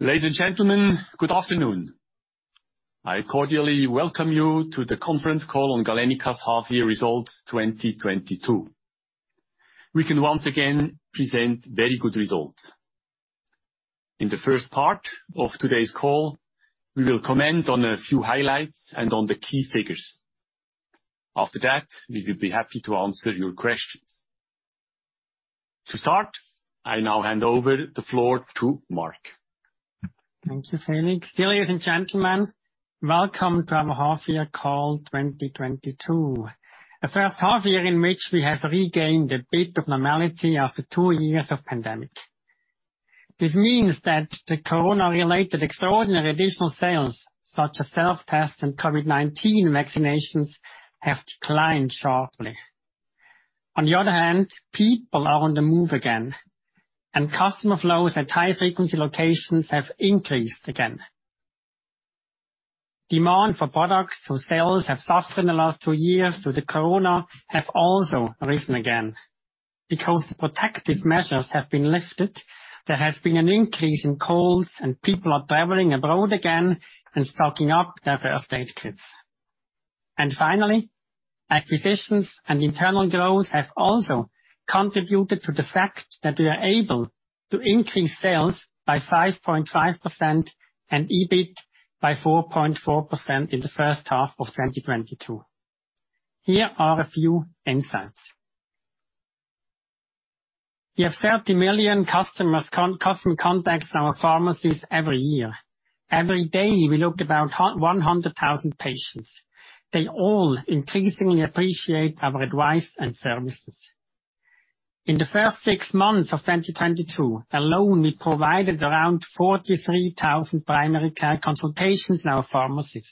Ladies and gentlemen, good afternoon. I cordially welcome you to the Conference Call on Galenica's half-year results 2022. We can once again present very good results. In the first part of today's call, we will comment on a few highlights and on the key figures. After that, we will be happy to answer your questions. To start I now hand over the floor to Marc. Thank you, Felix. Dear ladies and gentlemen, welcome to our half-year call 2022. The first half year in which we have regained a bit of normality after two years of pandemic. This means that the corona-related extraordinary additional sales, such as self-tests and COVID-19 vaccinations, have declined sharply. On the other hand, people are on the move again, and customer flows at high-frequency locations have increased again. Demand for products whose sales have suffered in the last two years due to corona have also risen again. Because protective measures have been lifted, there has been an increase in colds and people are traveling abroad again and stocking up their first aid kits. Finally, acquisitions and internal growth have also contributed to the fact that we are able to increase sales by 5.5% and EBITDA by 4.4% in the first half of 2022. Here are a few insights. We have 30 million customer contacts in our pharmacies every year. Every day, we look after about 100,000 patients. They all increasingly appreciate our advice and services. In the first six months of 2022 alone, we provided around 43,000 primary care consultations in our pharmacies.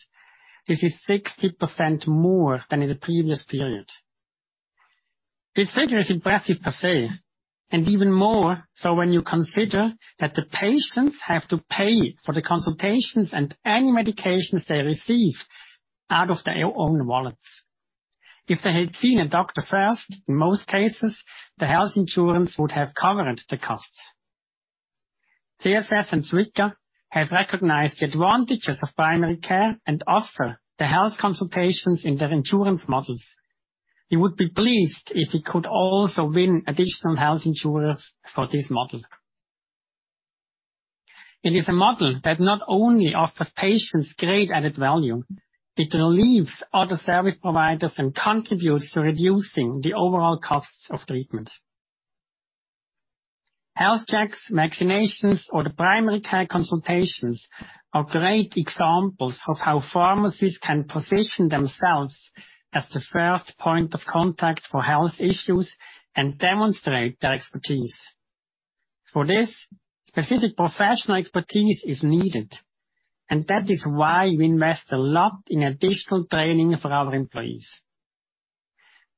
This is 60% more than in the previous period. This figure is impressive per se, and even more so when you consider that the patients have to pay for the consultations and any medications they receive out of their own wallets. If they had seen a doctor first, in most cases, the health insurance would have covered the costs. CSS and SWICA have recognized the advantages of primary care and offer the health consultations in their insurance models. We would be pleased if we could also win additional health insurers for this model. It is a model that not only offers patients great added value, it relieves other service providers and contributes to reducing the overall costs of treatment. Health checks, vaccinations, or the primary care consultations are great examples of how pharmacies can position themselves as the first point of contact for health issues and demonstrate their expertise. For this, specific professional expertise is needed, and that is why we invest a lot in additional training for our employees.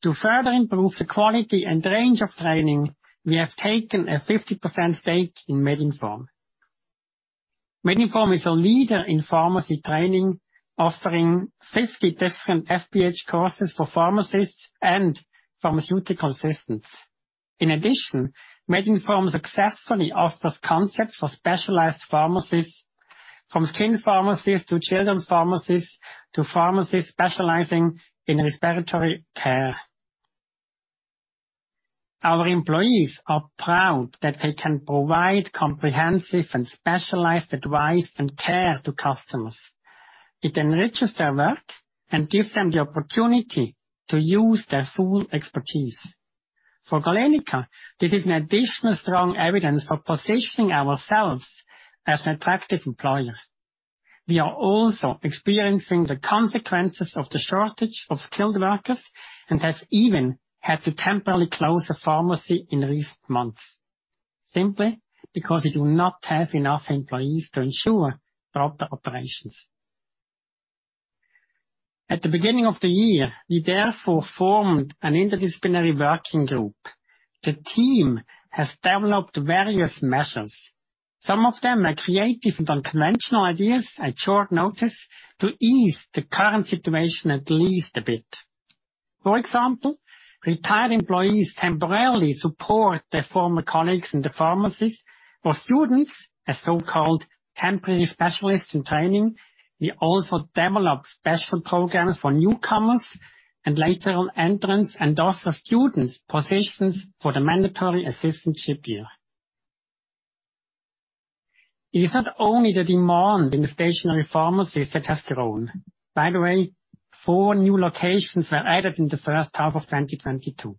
To further improve the quality and range of training, we have taken a 50% stake in Medinform. Medinform is a leader in pharmacy training offering 50 different FPH courses for pharmacists and pharmaceutical assistants. In addition, Medinform successfully offers concepts for specialized pharmacies, from skin pharmacies to children's pharmacies to pharmacies specializing in respiratory care. Our employees are proud that they can provide comprehensive and specialized advice and care to customers. It enriches their work and gives them the opportunity to use their full expertise. For Galenica, this is an additional strong evidence for positioning ourselves as an attractive employer. We are also experiencing the consequences of the shortage of skilled workers, and have even had to temporarily close a pharmacy in recent months, simply because we do not have enough employees to ensure proper operations. At the beginning of the year, we therefore formed an interdisciplinary working group. The team has developed various measures. Some of them are creative and unconventional ideas at short notice to ease the current situation at least a bit. For example, retired employees temporarily support their former colleagues in the pharmacies or students as so-called temporary specialists in training. We also developed special programs for newcomers and later on entrants and offer students positions for the mandatory assistantship year. It is not only the demand in the stationary pharmacies that has grown. By the way, four new locations were added in the first half of 2022.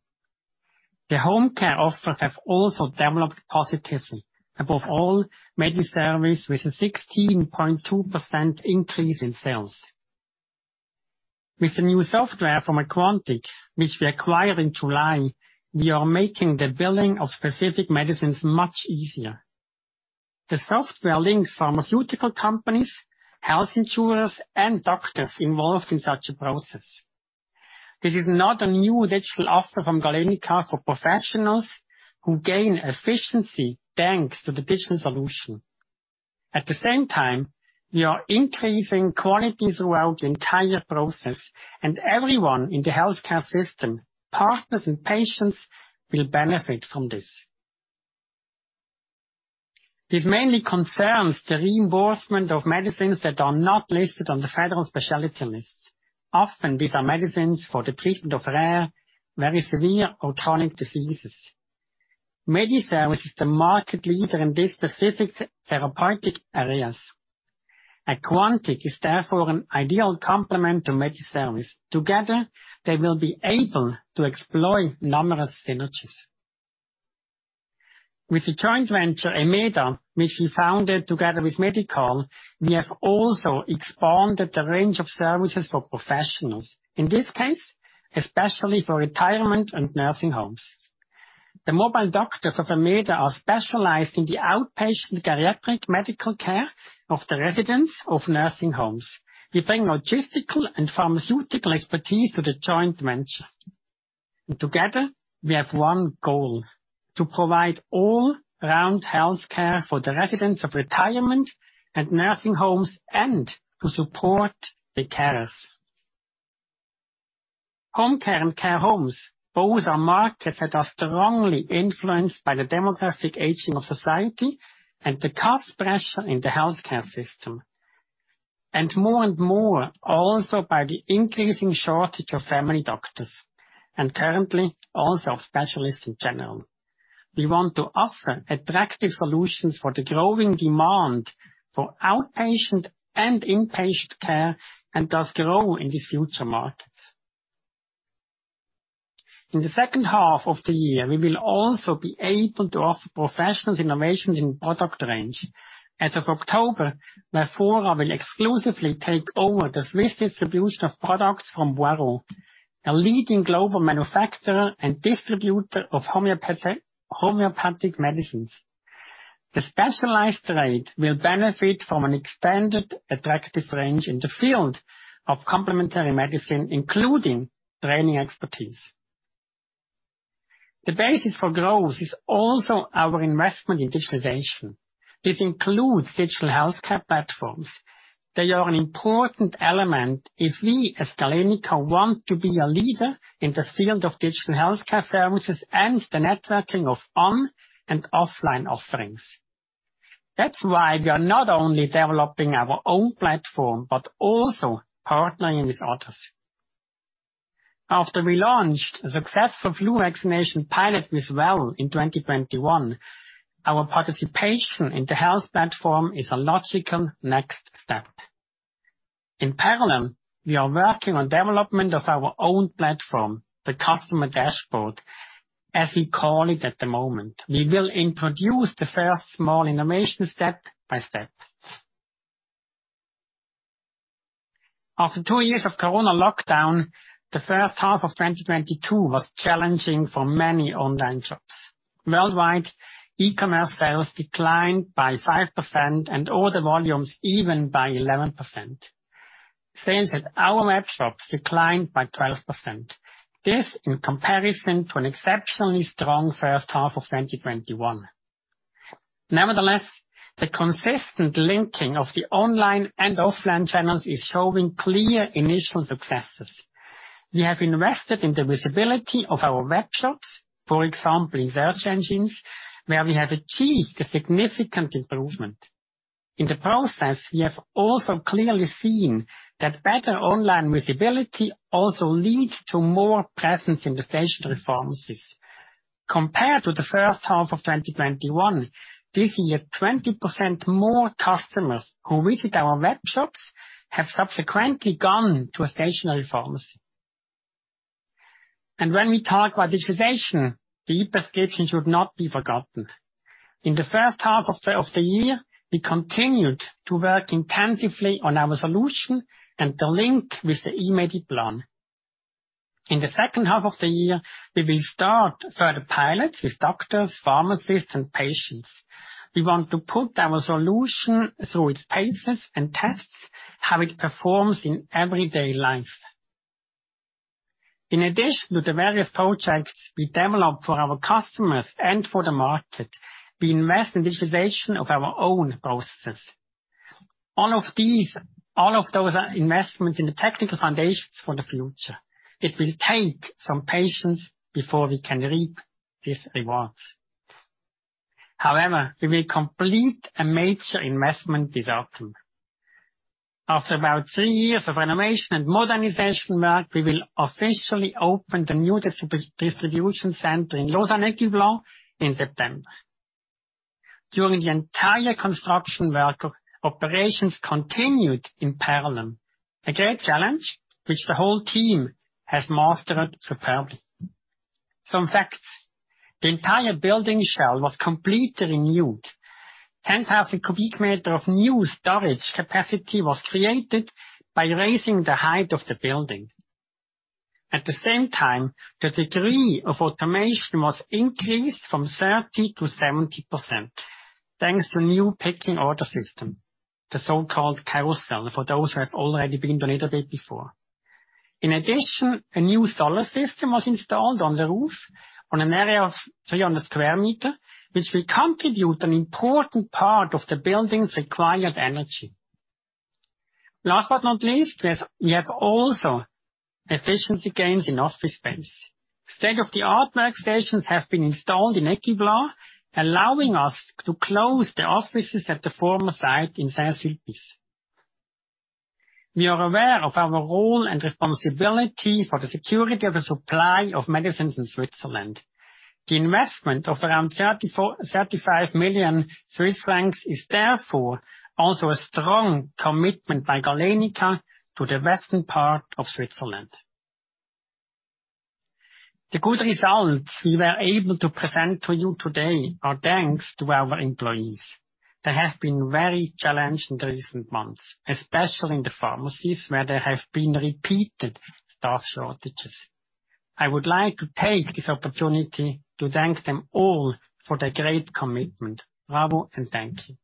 The home care offers have also developed positively. Above all, MediService with a 16.2% increase in sales. With the new software from Aquantic, which we acquired in July, we are making the billing of specific medicines much easier. The software links pharmaceutical companies, health insurers, and doctors involved in such a process. This is another new digital offer from Galenica for professionals who gain efficiency thanks to the digital solution. At the same time, we are increasing quality throughout the entire process, and everyone in the healthcare system, partners and patients, will benefit from this. This mainly concerns the reimbursement of medicines that are not listed on the Specialties List. Often, these are medicines for the treatment of rare, very severe, or chronic diseases. MediService is the market leader in these specific therapeutic areas. Aquantic is therefore an ideal complement to MediService. Together, they will be able to explore numerous synergies. With the joint venture, Emeda, which we founded together with Medicall, we have also expanded the range of services for professionals, in this case, especially for retirement and nursing homes. The mobile doctors of Emeda are specialized in the outpatient geriatric medical care of the residents of nursing homes. We bring logistical and pharmaceutical expertise to the joint venture. Together, we have one goal, to provide all-round health care for the residents of retirement and nursing homes and to support the carers. Home care and care homes, both are markets that are strongly influenced by the demographic aging of society and the cost pressure in the healthcare system. More and more also by the increasing shortage of family doctors and currently also of specialists in general. We want to offer attractive solutions for the growing demand for outpatient and inpatient care, and thus grow in the future markets. In the second half of the year, we will also be able to offer professionals innovations in product range. As of October, Verfora will exclusively take over the Swiss distribution of products from Boiron, a leading global manufacturer and distributor of homeopathic medicines. The specialized trade will benefit from an expanded attractive range in the field of complementary medicine, including training expertise. The basis for growth is also our investment in digitization. This includes digital healthcare platforms. They are an important element if we as Galenica want to be a leader in the field of digital healthcare services and the networking of on and offline offerings. That's why we are not only developing our own platform, but also partnering with others. After we launched a successful flu vaccination pilot with Well in 2021, our participation in the health platform is a logical next step. In parallel we are working on development of our own platform, the customer dashboard as we call it at the moment. We will introduce the first small innovation step by step. After two years of corona lockdown, the first half of 2022 was challenging for many online shops. Worldwide, e-commerce sales declined by 5% and order volumes even by 11%. Sales at our web shops declined by 12%. This in comparison to an exceptionally strong first half of 2021. Nevertheless, the consistent linking of the online and offline channels is showing clear initial successes. We have invested in the visibility of our webshops, for example in search engines where we have achieved a significant improvement. In the process, we have also clearly seen that better online visibility also leads to more presence in the stationary pharmacies. Compared to the first half of 2021, this year, 20% more customers who visit our webshops have subsequently gone to a stationary pharmacy. When we talk about digitization, the e-prescription should not be forgotten. In the first half of the year, we continued to work intensively on our solution and the link with the eMediplan. In the second half of the year, we will start further pilots with doctors, pharmacists and patients. We want to put our solution through its paces and test how it performs in everyday life. In addition to the various projects we developed for our customers and for the market, we invest in digitization of our own processes. All of those investments in the technical foundations for the future, it will take some patience before we can reap these rewards. However, we will complete a major investment this autumn. After about three years of renovation and modernization work, we will officially open the new distribution center in Lausanne, Écublens in September. During the entire construction work, operations continued in parallel. A great challenge, which the whole team has mastered superbly. Some facts. The entire building shell was completely renewed. 10,000 cu m of new storage capacity was created by raising the height of the building. At the same time, the degree of automation was increased from 30%-70%, thanks to new picking order system. The so-called carousel for those who have already been to Niederbipp before. In addition, a new solar system was installed on the roof on an area of 300 sq m, which will contribute an important part of the building's required energy. Last but not least, we have also efficiency gains in office space. State-of-the-art workstations have been installed in Écublens, allowing us to close the offices at the former site in Saint-Sulpice. We are aware of our role and responsibility for the security of the supply of medicines in Switzerland. The investment of around 35 million Swiss francs is therefore also a strong commitment by Galenica to the western part of Switzerland. The good results we were able to present to you today are thanks to our employees. They have been very challenged in the recent months, especially in the pharmacies, where there have been repeated staff shortages. I would like to take this opportunity to thank them all for their great commitment. Bravo, and thank you.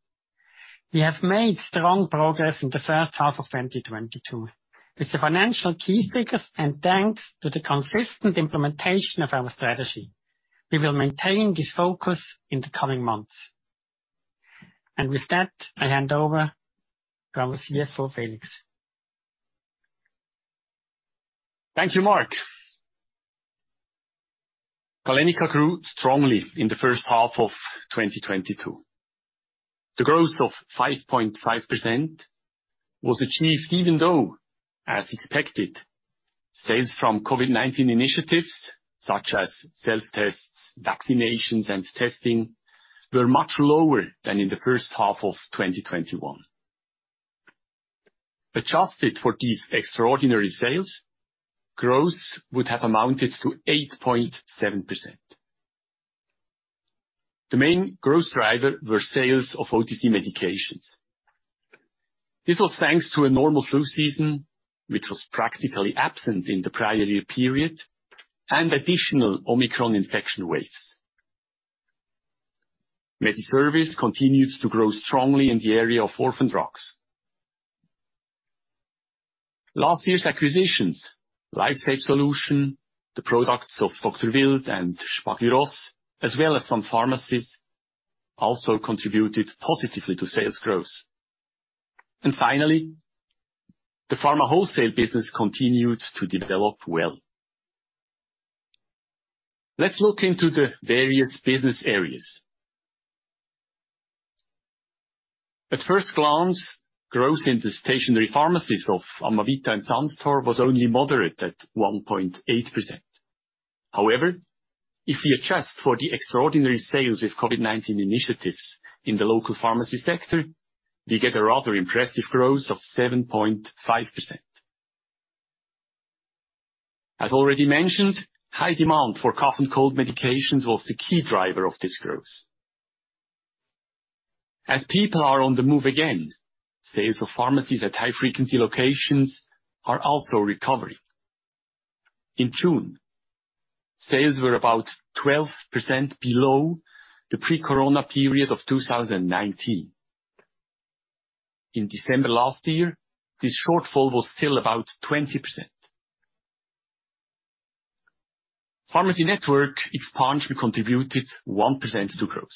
We have made strong progress in the first half of 2022 with the financial key figures and thanks to the consistent implementation of our strategy. We will maintain this focus in the coming months. With that, I hand over to our Chief Financial Officer, Felix. Thank you Marc, Galenica grew strongly in the first half of 2022. The growth of 5.5% was achieved even though as expected sales from COVID-19 initiatives such as self-tests, vaccinations, and testing were much lower than in the first half of 2021. Adjusted for these extraordinary sales, growth would have amounted to 8.7%. The main growth driver were sales of OTC medications. This was thanks to a normal flu season, which was practically absent in the prior year period, and additional Omicron infection rates. MediService continues to grow strongly in the area of orphan drugs. Last year's acquisitions, Lifestage Solutions, the products of Dr. Wild and Spagyros, as well as some pharmacies, also contributed positively to sales growth. Finally, the pharma wholesale business continued to develop well. Let's look into the various business areas. At first glance, growth in the stationary pharmacies of Amavita and Sun Store was only moderate, at 1.8%. However if we adjust for the extraordinary sales with COVID-19 initiatives in the local pharmacy sector we get a rather impressive growth of 7.5%. As already mentioned, high demand for cough and cold medications was the key driver of this growth. As people are on the move again, sales of pharmacies at high-frequency locations are also recovering. In June, sales were about 12% below the pre-corona period of 2019. In December last year, this shortfall was still about 20%. Pharmacy network expansion contributed 1% to growth.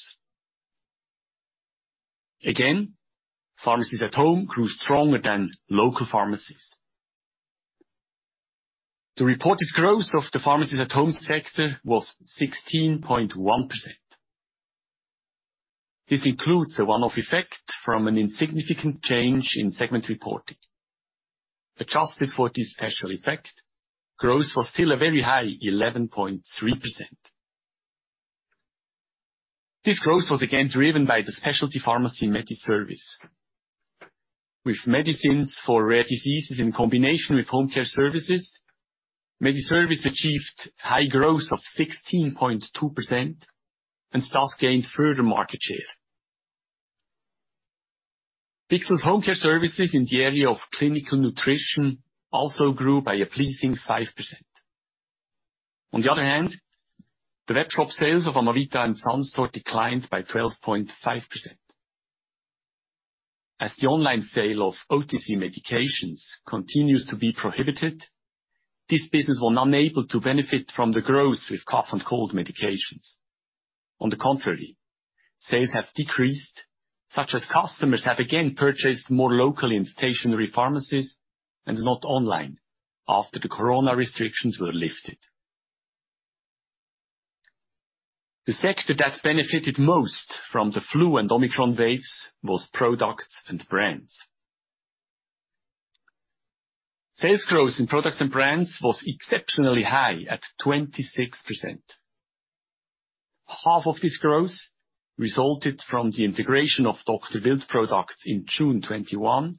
Again, pharmacies at home grew stronger than local pharmacies. The reported growth of the pharmacies at home sector was 16.1%. This includes a one-off effect from an insignificant change in segment reporting. Adjusted for this special effect, growth was still a very high 11.3%. This growth was again driven by the specialty pharmacy, MediService. With medicines for rare diseases in combination with home care services, MediService achieved high growth of 16.2% and thus gained further market share. Bichsel's home care services in the area of clinical nutrition also grew by a pleasing 5%. On the other hand, the web shop sales of Amavita and Sun Store declined by 12.5%. As the online sale of OTC medications continues to be prohibited, this business was unable to benefit from the growth with cough and cold medications. On the contrary, sales have decreased as customers have again purchased more locally in stationary pharmacies and not online after the corona restrictions were lifted. The sector that benefited most from the flu and Omicron waves was products and brands. Sales growth in products and brands was exceptionally high at 26%. Half of this growth resulted from the integration of Dr. Wild products in June 2021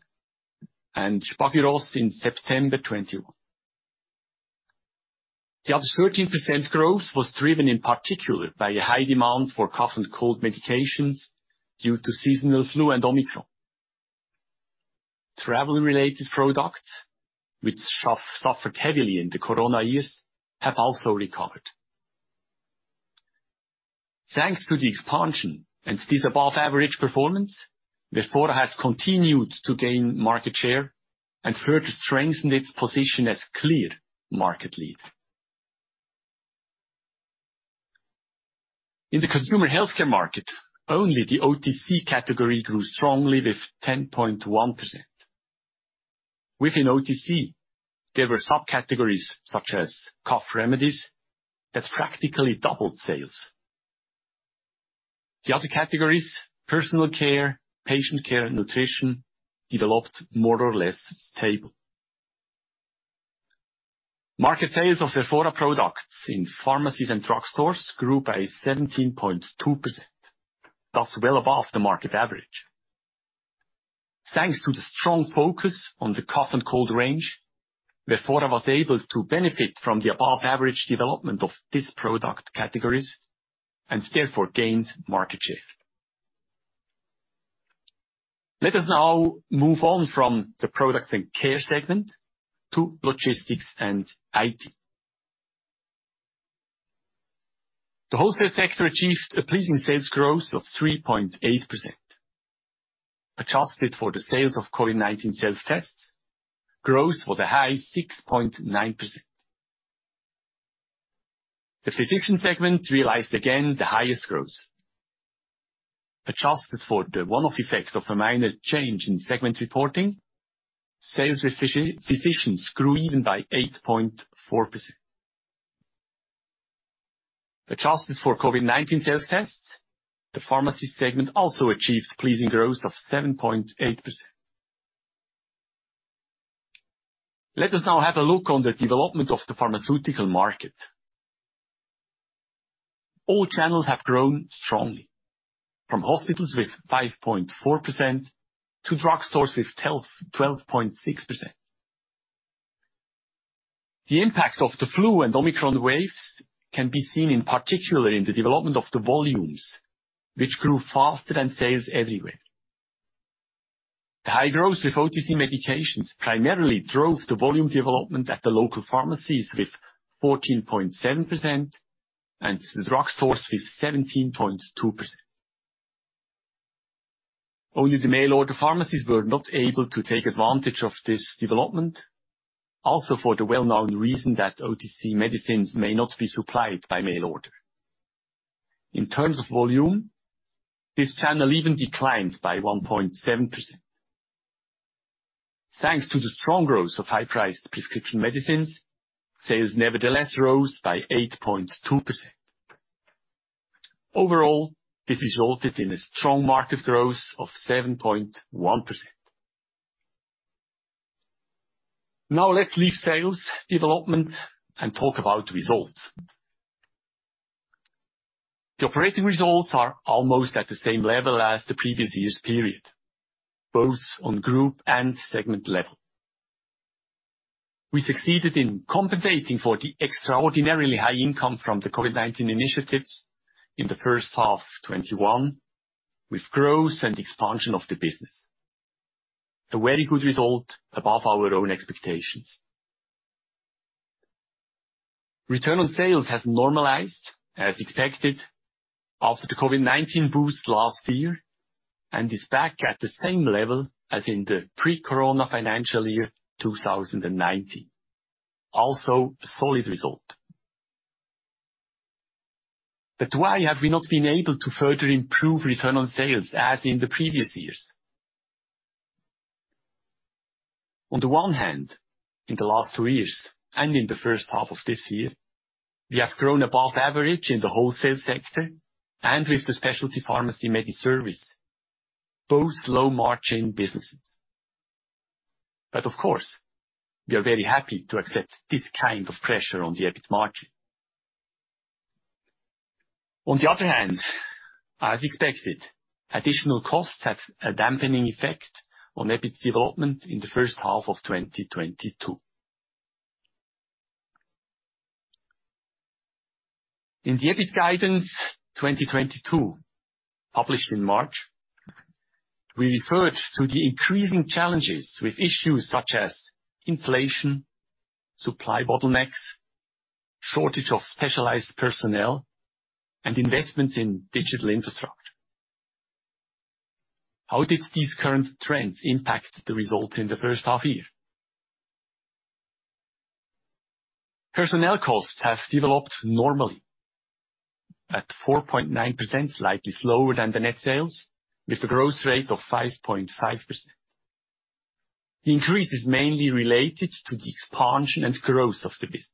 and Spagyros in September 2021. The other 13% growth was driven in particular by a high demand for cough and cold medications due to seasonal flu and Omicron. Travel-related products, which suffered heavily in the corona years, have also recovered. Thanks to the expansion and this above average performance, Verfora has continued to gain market share and further strengthened its position as clear market leader. In the consumer healthcare market, only the OTC category grew strongly with 10.1%. Within OTC, there were sub-categories such as cough remedies that practically doubled sales. The other categories, personal care, patient care, and nutrition, developed more or less stable. Market sales of Verfora products in pharmacies and drugstores grew by 17.2%, thus well above the market average. Thanks to the strong focus on the cough and cold range, Verfora was able to benefit from the above average development of these product categories and therefore gained market share. Let us now move on from the products and care segment to logistics and IT. The wholesale sector achieved a pleasing sales growth of 3.8%. Adjusted for the sales of COVID-19 sales tests, growth was a high 6.9%. The physician segment realized again the highest growth. Adjusted for the one-off effect of a minor change in segment reporting, sales with physicians grew even by 8.4%. Adjusted for COVID-19 sales tests, the pharmacy segment also achieved pleasing growth of 7.8%. Let us now have a look at the development of the pharmaceutical market. All channels have grown strongly from hospitals with 5.4% to drugstores with 12.6%. The impact of the flu and Omicron waves can be seen in particular in the development of the volumes, which grew faster than sales everywhere. The high growth with OTC medications primarily drove the volume development at the local pharmacies with 14.7% and the drugstores with 17.2%. Only the mail order pharmacies were not able to take advantage of this development, also for the well-known reason that OTC medicines may not be supplied by mail order. In terms of volume, this channel even declined by 1.7%. Thanks to the strong growth of high-priced prescription medicines, sales nevertheless rose by 8.2%. Overall, this resulted in a strong market growth of 7.1%. Now let's leave sales development and talk about results. The operating results are almost at the same level as the previous year's period, both on group and segment level. We succeeded in compensating for the extraordinarily high income from the COVID-19 initiatives in the first half 2021 with growth and expansion of the business. A very good result above our own expectations. Return on sales has normalized as expected after the COVID-19 boost last year, and is back at the same level as in the pre-corona financial year, 2019. Also a solid result. Why have we not been able to further improve return on sales as in the previous years? On the one hand, in the last two years, and in the first half of this year, we have grown above average in the wholesale sector and with the specialty pharmacy MediService, both low-margin businesses. Of course, we are very happy to accept this kind of pressure on the EBIT margin. On the other hand, as expected, additional costs have a dampening effect on EBIT development in the first half of 2022. In the EBIT guidance 2022, published in March, we referred to the increasing challenges with issues such as inflation, supply bottlenecks, shortage of specialized personnel, and investments in digital infrastructure. How did these current trends impact the results in the first half year? Personnel costs have developed normally at 4.9%, slightly slower than the net sales, with a growth rate of 5.5%. The increase is mainly related to the expansion and growth of the business.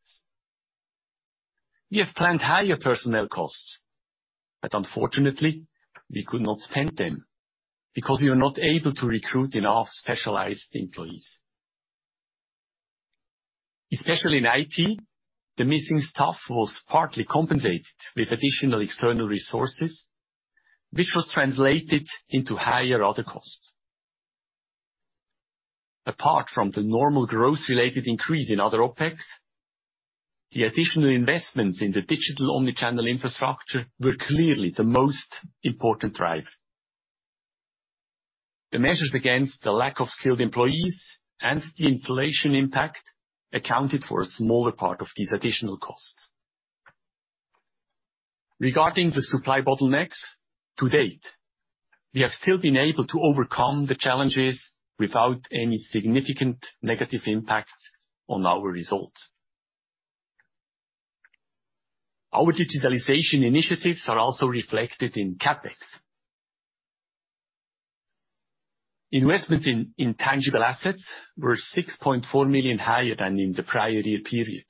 We have planned higher personnel costs, but unfortunately we could not spend them because we were not able to recruit enough specialized employees. Especially in IT, the missing staff was partly compensated with additional external resources, which was translated into higher other costs. Apart from the normal growth-related increase in other OpEx, the additional investments in the digital omni-channel infrastructure were clearly the most important driver. The measures against the lack of skilled employees and the inflation impact accounted for a smaller part of these additional costs. Regarding the supply bottlenecks, to date, we have still been able to overcome the challenges without any significant negative impacts on our results. Our digitalization initiatives are also reflected in CapEx. Investments in intangible assets were 6.4 million higher than in the prior year period.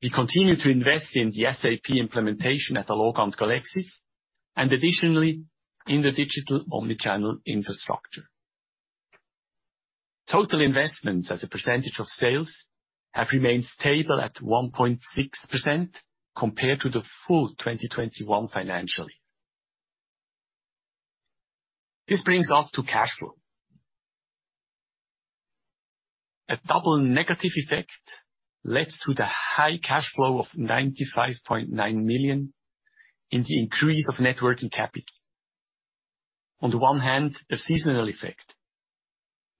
We continue to invest in the SAP implementation at Galexis, and additionally, in the digital omni-channel infrastructure. Total investments as a percentage of sales have remained stable at 1.6% compared to the full 2021 financial year. This brings us to cash flow. Two negative effects led to the negative cash flow of 95.9 million in the increase of net working capital. On the one hand, a seasonal effect.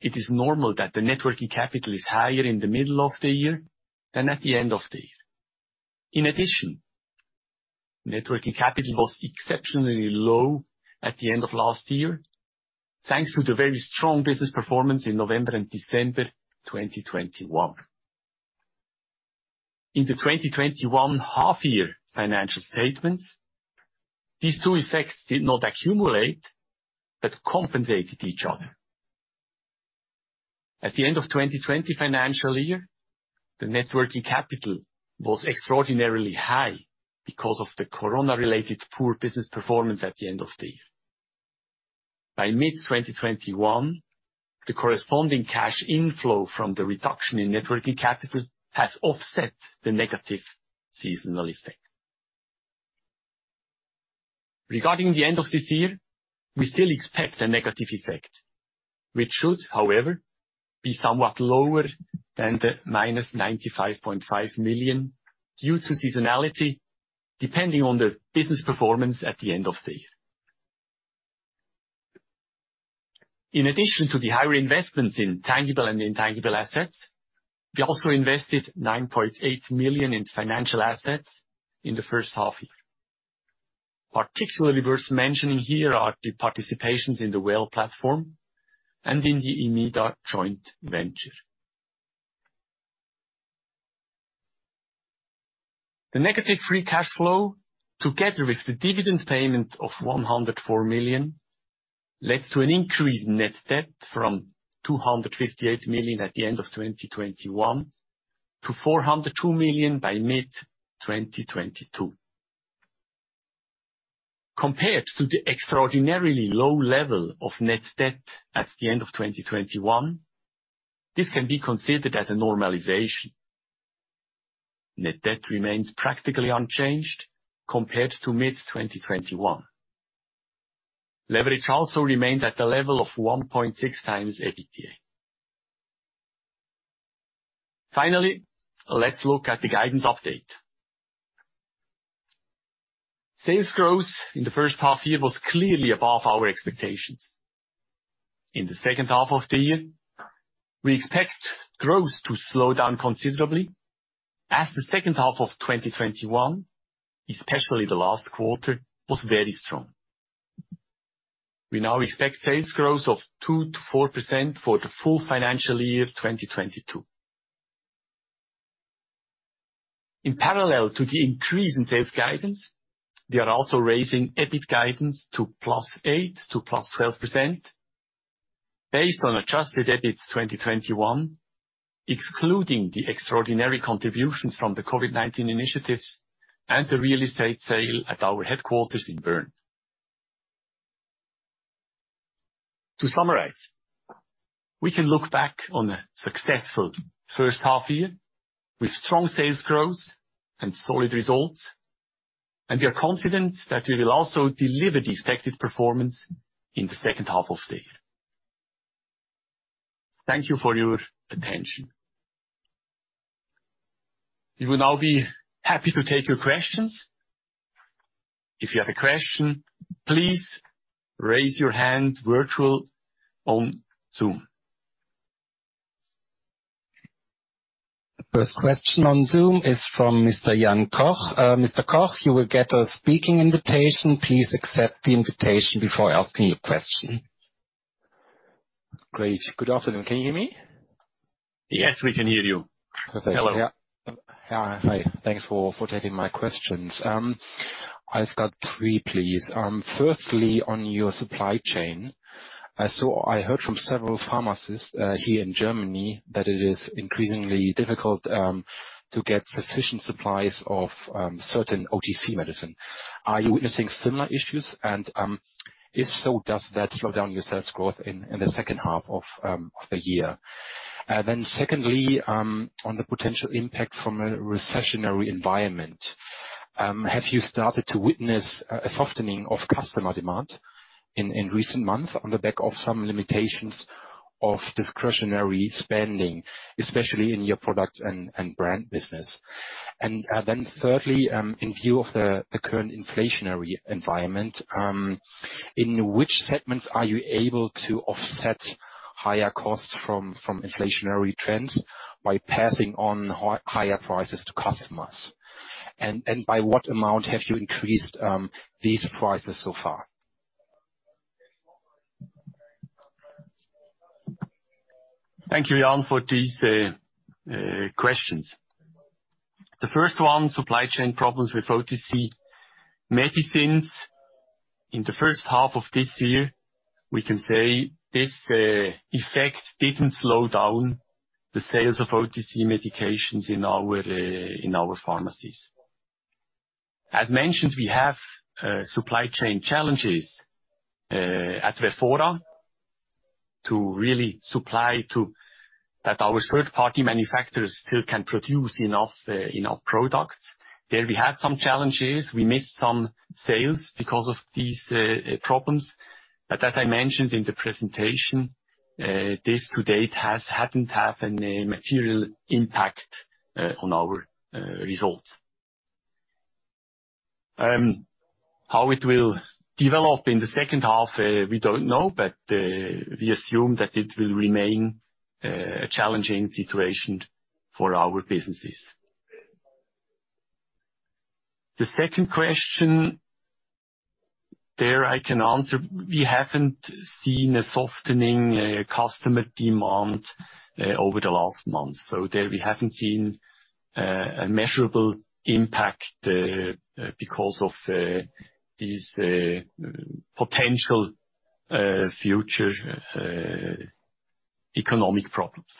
It is normal that the net working capital is higher in the middle of the year than at the end of the year. In addition, net working capital was exceptionally low at the end of last year, thanks to the very strong business performance in November and December 2021. In the 2021 half year financial statements, these two effects did not accumulate, but compensated each other. At the end of 2020 financial year, the net working capital was extraordinarily high because of the corona-related poor business performance at the end of the year. By mid-2021, the corresponding cash inflow from the reduction in net working capital has offset the negative seasonal effect. Regarding the end of this year we still expect a negative effect which should however be somewhat lower than the -95.5 million due to seasonality, depending on the business performance at the end of the year. In addition to the higher investments in tangible and intangible assets, we also invested 9.8 million in financial assets in the first half year. Particularly worth mentioning here are the participations in the Well platform and in the Emeda joint venture. The negative free cash flow, together with the dividend payment of 104 million, led to an increased net debt from 258 million at the end of 2021 to 402 million by mid-2022. Compared to the extraordinarily low level of net debt at the end of 2021, this can be considered as a normalization. Net debt remains practically unchanged compared to mid-2021. Leverage also remains at a level of 1.6x EBITDA. Finally, let's look at the guidance update. Sales growth in the first half year was clearly above our expectations. In the second half of the year, we expect growth to slow down considerably as the second half of 2021, especially the last quarter, was very strong. We now expect sales growth of 2%-4% for the full financial year 2022. In parallel to the increase in sales guidance, we are also raising EBIT guidance to +8% to +12% based on adjusted EBIT 2021, excluding the extraordinary contributions from the COVID-19 initiatives and the real estate sale at our headquarters in Bern. To summarize, we can look back on a successful first half year with strong sales growth and solid results, and we are confident that we will also deliver the expected performance in the second half of the year. Thank you for your attention. We will now be happy to take your questions. If you have a question please raise your hand virtually on Zoom. First question on Zoom is from Mr. Jan Koch. Mr. Koch, you will get a speaking invitation. Please accept the invitation before asking your question. Great. Good afternoon. Can you hear me? Yes, we can hear you. Perfect. Hello. Yeah. Hi. Thanks for taking my questions. I've got three, please. Firstly, on your supply chain, I heard from several pharmacists here in Germany that it is increasingly difficult to get sufficient supplies of certain OTC medicine. Are you witnessing similar issues? And if so, does that slow down your sales growth in the second half of the year? Then secondly, on the potential impact from a recessionary environment, have you started to witness a softening of customer demand in recent months on the back of some limitations on discretionary spending, especially in your product and brand business. Then thirdly, in view of the current inflationary environment, in which segments are you able to offset higher costs from inflationary trends by passing on higher prices to customers? By what amount have you increased these prices so far? Thank you, Jan, for these questions. The first one, supply chain problems with OTC medicines. In the first half of this year, we can say this effect didn't slow down the sales of OTC medications in our pharmacies. As mentioned, we have supply chain challenges at Verfora. That our third-party manufacturers still can produce enough products. There, we had some challenges. We missed some sales because of these problems. As I mentioned in the presentation, this to date hasn't had any material impact on our results. How it will develop in the second half we don't know. We assume that it will remain a challenging situation for our businesses. The second question there I can answer. We haven't seen a softening customer demand over the last months. There we haven't seen a measurable impact because of these potential future economic problems.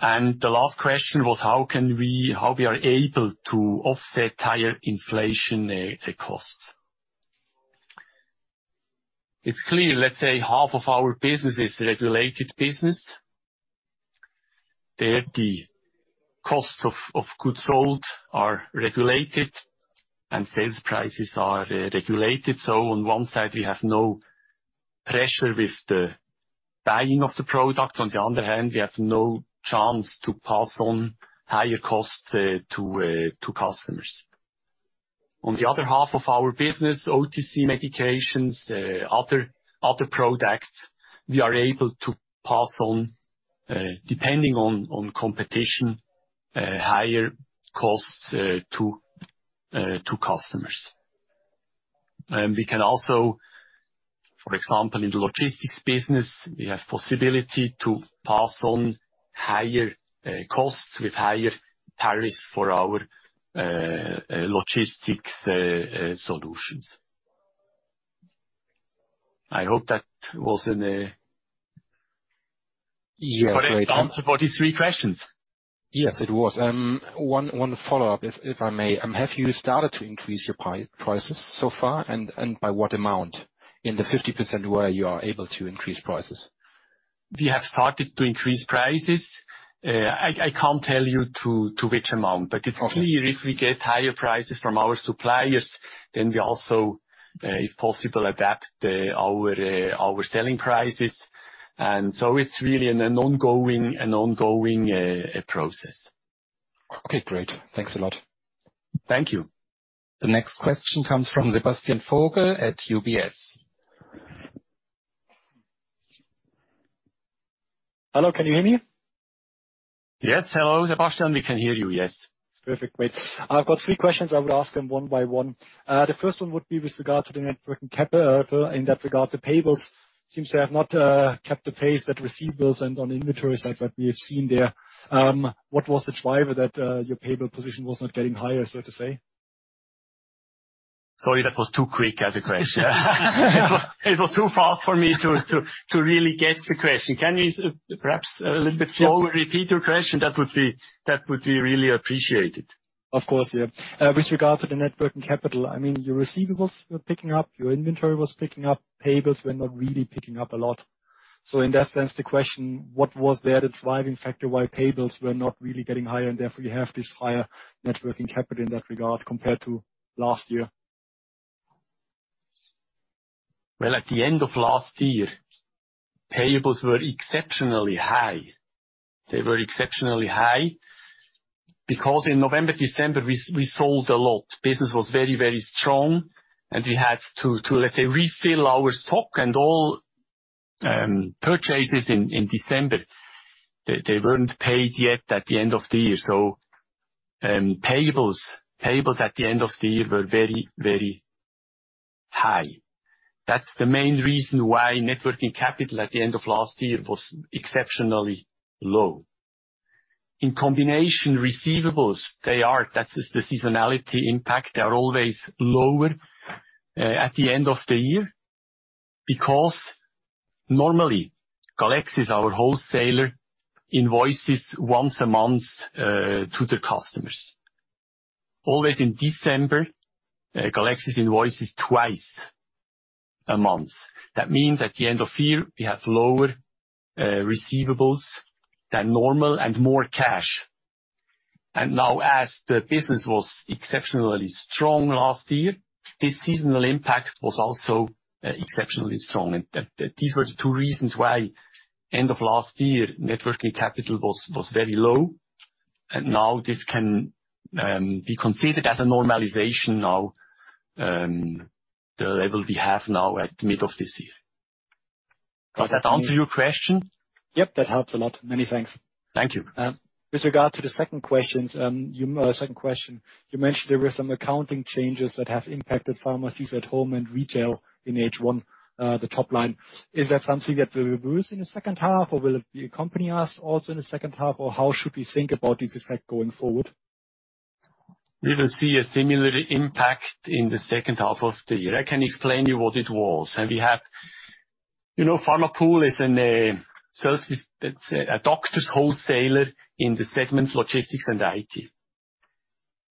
The last question was how we are able to offset higher inflation costs. It's clear, let's say half of our business is regulated business. There, the costs of goods sold are regulated and sales prices are regulated. On one side, we have no pressure with the buying of the product. On the other hand, we have no chance to pass on higher costs to customers. On the other half of our business, OTC medications, other products, we are able to pass on, depending on competition, higher costs to customers. We can also for example in the logistics business, we have possibility to pass on higher costs with higher tariffs for our logistics solutions. I hope that was. Yes, great. Answer for these three questions. Yes, it was One follow-up if I may. Have you started to increase your prices so far? By what amount in the 50% where you are able to increase prices? We have started to increase prices. I can't tell you to which amount. It's clear if we get higher prices from our suppliers, then we also if possible adapt our selling prices. It's really an ongoing process. Okay, great. Thanks a lot. Thank you. The next question comes from Sebastian Vogel at UBS. Hello, can you hear me? Yes. Hello, Sebastian. We can hear you, yes. Perfect. Great. I've got three questions. I will ask them one by one. The first one would be with regard to the net working capital. In that regard, the payables seems to have not kept the pace that receivables and on inventory side that we have seen there. What was the driver that your payable position was not getting higher so to say? Sorry, that was too quick as a question. It was too fast for me to really get the question. Can you perhaps a little bit slower repeat your question? That would be really appreciated. Of course. Yeah. With regard to the net working capital, I mean, your receivables were picking up, your inventory was picking up, payables were not really picking up a lot. In that sense the question, what was there the driving factor why payables were not really getting higher, and therefore you have this higher net working capital in that regard compared to last year? Well at the end of last year, payables were exceptionally high. They were exceptionally high because in November, December, we sold a lot. Business was very strong, and we had to let's say refill our stock. All purchases in December they weren't paid yet at the end of the year. Payables at the end of the year were very high. That's the main reason why net working capital at the end of last year was exceptionally low. In combination, receivables, that's the seasonality impact. They are always lower at the end of the year, because normally, Galexis, our wholesaler, invoices once a month to the customers. Always in December, Galexis invoices twice a month. That means at the end of year, we have lower receivables than normal and more cash. Now as the business was exceptionally strong last year, this seasonal impact was also exceptionally strong. These were the two reasons why end of last year net working capital was very low. Now this can be considered as a normalization now the level we have now at mid of this year. Does that answer your question? Yep, that helps a lot. Many thanks. Thank you. With regard to the second question, you mentioned there were some accounting changes that have impacted pharmacies at home and retail in H1, the top line. Is that something that will reverse in the second half or will it be accompanying us also in the second half or how should we think about this effect going forward? We will see a similar impact in the second half of the year. I can explain you what it was. We have. You know, Pharmapool is a service, it's a doctor's wholesaler in the segment logistics and IT.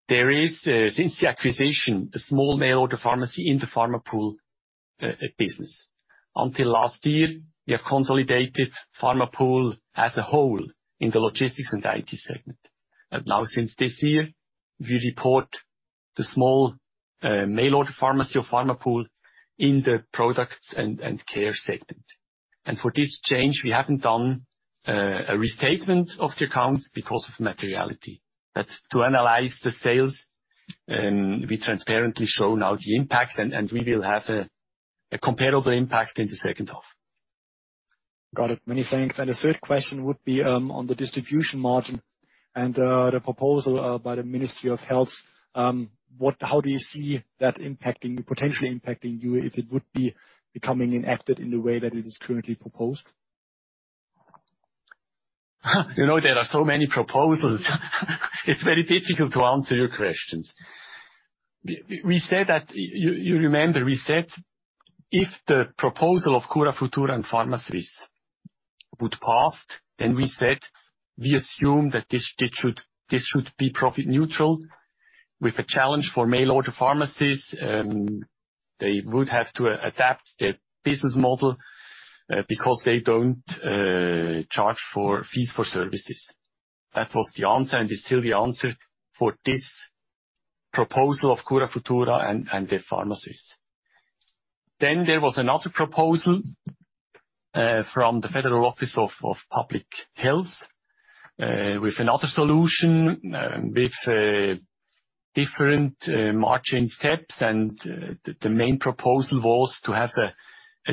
There is, since the acquisition, a small mail order pharmacy in the Pharmapool business. Until last year, we have consolidated Pharmapool as a whole in the logistics and IT segment. Now since this year, we report the small mail order pharmacy of Pharmapool in the products and care segment. For this change, we haven't done a restatement of the accounts because of materiality. To analyze the sales, we transparently show now the impact and we will have a comparable impact in the second half. Got it. Many thanks. The third question would be on the distribution margin and the proposal by the Ministry of Health. How do you see that potentially impacting you if it would be becoming enacted in the way that it is currently proposed? You know, there are so many proposals. It's very difficult to answer your questions. We say that you remember we said, if the proposal of Curafutura and pharmacies would pass, then we assume that this should be profit neutral with a challenge for mail order pharmacies. They would have to adapt their business model because they don't charge fees for services. That was the answer, and is still the answer for this proposal of Curafutura and their pharmacies. There was another proposal from the Federal Office of Public Health with another solution with a different margin steps and the main proposal was to have a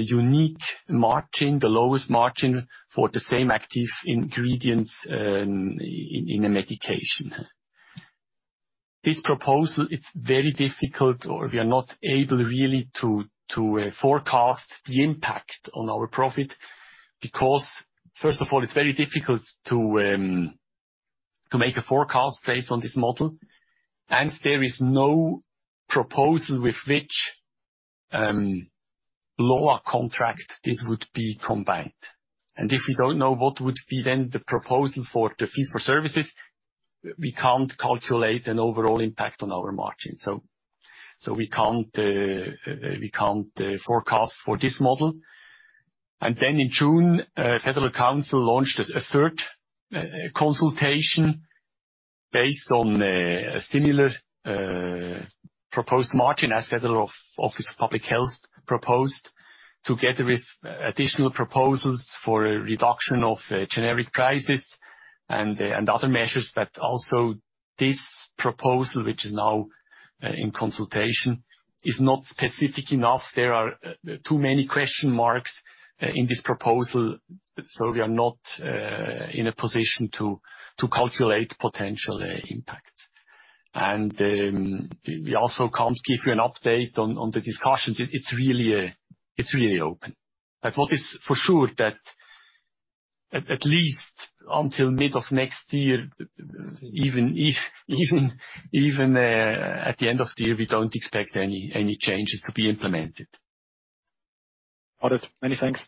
unique margin, the lowest margin for the same active ingredients in a medication. This proposal, it's very difficult or we are not able really to forecast the impact on our profit because first of all it's very difficult to make a forecast based on this model. There is no proposal with which LOA contract this would be combined. If we don't know what would be then the proposal for the fees for services, we can't calculate an overall impact on our margin. We can't forecast for this model. Then in June, Federal Council launched a third consultation based on a similar proposed margin as Federal Office of Public Health proposed, together with additional proposals for a reduction of generic prices and other measures. This proposal, which is now in consultation, is not specific enough. There are too many question marks in this proposal, so we are not in a position to calculate potential impact. We also can't give you an update on the discussions. It's really open. What is for sure that at least until mid of next year, even if at the end of the year, we don't expect any changes to be implemented. Got it. Many thanks.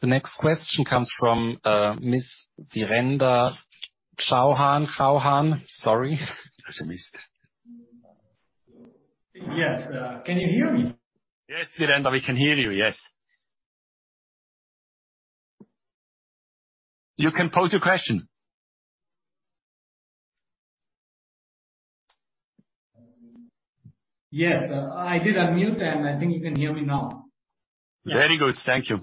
The next question comes from, Ms. Virendra Chauhan. Chauhan. Sorry. Yes. Can you hear me? Yes, Virendra, we can hear you, yes. You can pose your question. Yes. I did unmute and I think you can hear me now. Very good. Thank you.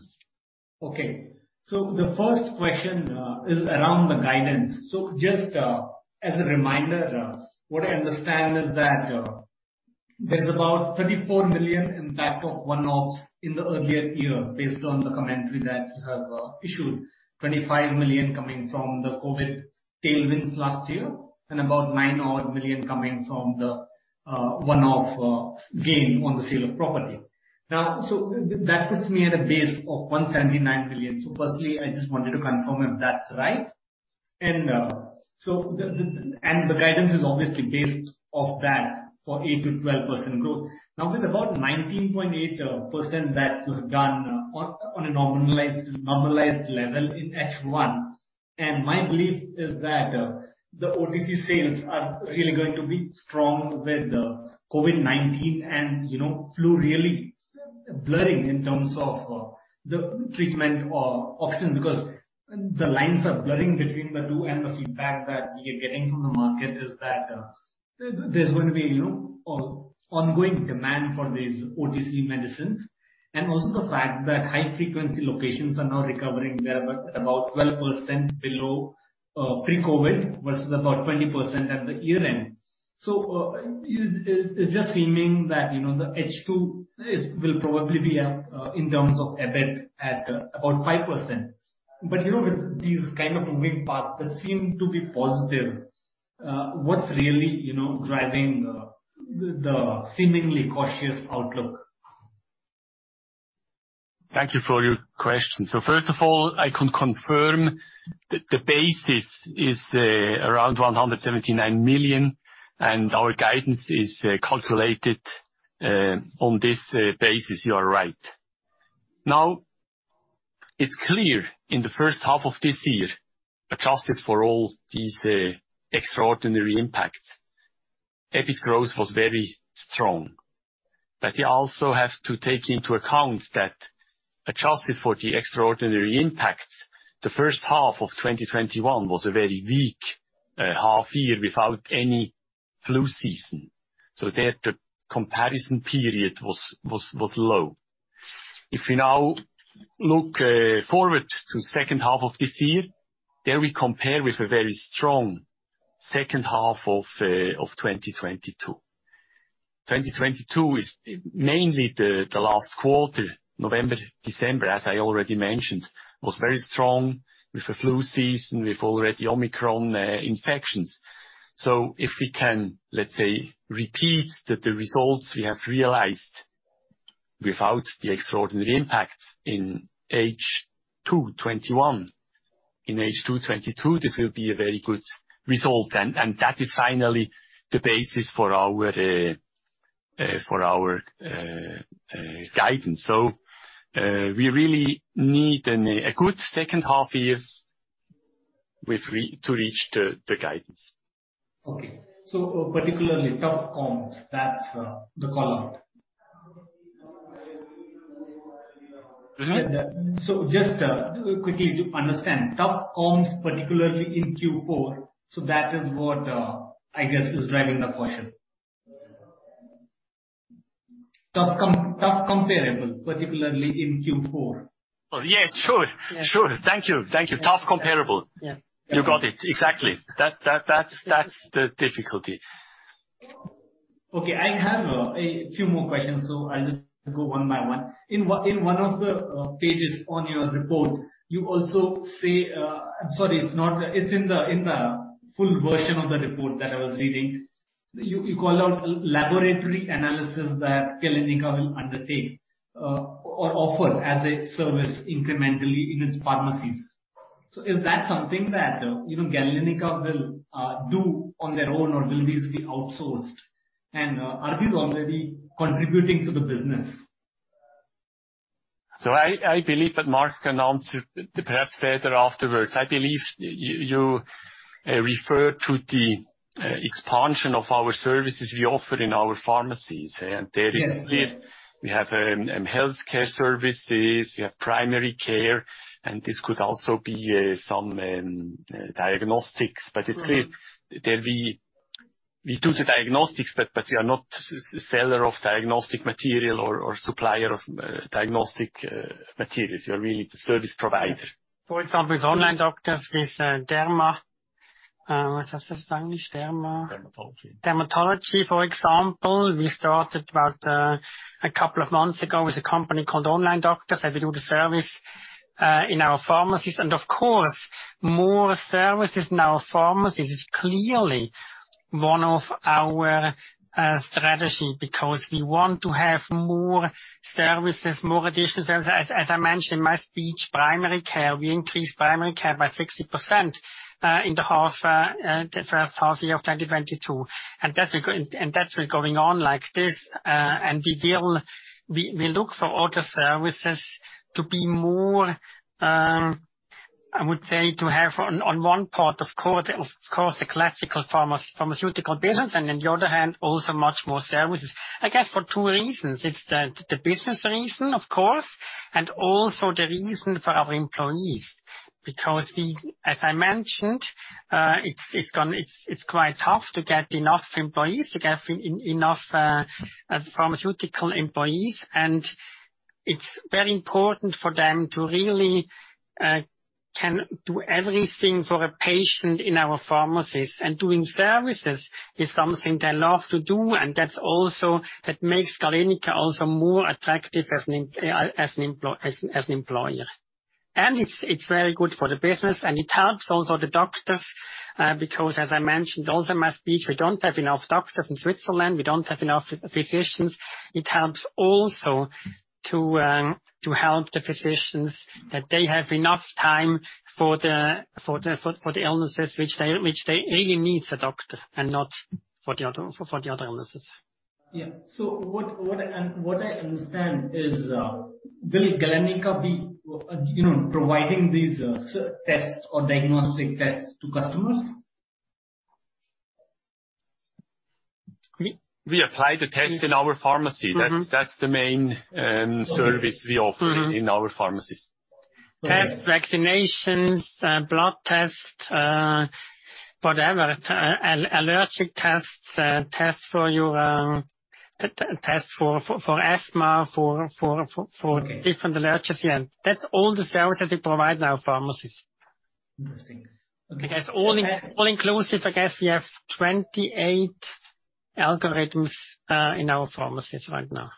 Okay. The first question is around the guidance. Just as a reminder, what I understand is that there's about 34 million in basket of one-offs in the earlier year based on the commentary that you have issued. 25 million coming from the COVID tailwinds last year and about 9 million coming from the one-off gain on the sale of property. Now, that puts me at a base of 179 million. Firstly, I just wanted to confirm if that's right. The guidance is obviously based off that for 8%-12% growth. Now, with about 19.8% that was done on a normalized level in H1, and my belief is that the OTC sales are really going to be strong with the COVID-19 and, you know, flu really blurring in terms of the treatment or options, because the lines are blurring between the two, and the feedback that we are getting from the market is that there's going to be, you know, ongoing demand for these OTC medicines and also the fact that high-frequency locations are now recovering. They're about 12% below pre-COVID, versus about 20% at the year-end. It's just seeming that, you know, the H2 will probably be up in terms of EBIT at about 5%. You know, with these kind of moving parts that seem to be positive, what's really you know driving the seemingly cautious outlook? Thank you for your question. First of all, I can confirm that the basis is around 179 million, and our guidance is calculated on this basis. You are right. It's clear in the first half of this year, adjusted for all these extraordinary impacts, EBIT growth was very strong. You also have to take into account that adjusted for the extraordinary impacts, the first half of 2021 was a very weak half year without any flu season. There, the comparison period was low. If we now look forward to second half of this year, then we compare with a very strong second half of 2022. 2022 is mainly the last quarter, November, December, as I already mentioned, was very strong with the flu season, with already Omicron infections. If we can, let's say, repeat the results we have realized without the extraordinary impacts in H2 2021, in H2 2022, this will be a very good result. That is finally the basis for our guidance. We really need a good second half year to reach the guidance. Okay. Particularly tough comps, that's the call-out. Mm-hmm. Just quickly to understand. Tough comps, particularly in Q4, so that is what I guess is driving the caution. Oh, yes. Sure. Yeah. Sure. Thank you. Tough comparable. Yeah. You got it. Exactly. That's the difficulty. Okay. I have a few more questions, so I'll just go one by one. In one of the pages on your report, you also say it's in the full version of the report that I was reading. You call out laboratory analysis that Galenica will undertake or offer as a service incrementally in its pharmacies. Is that something that you know, Galenica will do on their own, or will these be outsourced? Are these already contributing to the business? I believe that Marc can answer perhaps better afterwards. I believe you refer to the expansion of our services we offer in our pharmacies. There is Yeah. We have healthcare services, we have primary care, and this could also be some diagnostics. But it's really. Mm-hmm. There we do the diagnostics, but we are not seller of diagnostic material or supplier of diagnostic materials. We are really the service provider. Yeah. For example, with OnlineDoctor, with Derma. What's that in English? Derma? Dermatology. Dermatology, for example. We started about a couple of months ago with a company called OnlineDoctor. We do the service in our pharmacies. Of course, more services in our pharmacies is clearly one of our strategy, because we want to have more services, more additional services. As I mentioned in my speech primary care we increased primary care by 60% in the first half year of 2022. That's been going on like this. We look for other services to be more, I would say to have on one part, of course, the classical pharmaceutical business, and on the other hand, also much more services. I guess for two reasons. It's the business reason, of course, and also the reason for our employees. Because we, as I mentioned, it's quite tough to get enough employees, to get enough pharmaceutical employees. It's very important for them to really can do everything for a patient in our pharmacies. Doing services is something they love to do, and that makes Galenica also more attractive as an employer. It's very good for the business, and it helps also the doctors, because as I mentioned also in my speech, we don't have enough doctors in Switzerland, we don't have enough physicians. It helps also to help the physicians that they have enough time for the illnesses which they really needs a doctor, and not for the other illnesses. Yeah. What I understand is will Galenica be, you know providing these tests or diagnostic tests to customers? We apply the test in our pharmacy. Mm-hmm. That's the main service we offer. Mm. in our pharmacies. Tests, vaccinations, blood tests, whatever, and allergic tests. Okay. Different allergies. Yeah. That's all the services we provide in our pharmacies. Interesting. Okay. I guess all inclusive, I guess we have 28 algorithms in our pharmacies right now.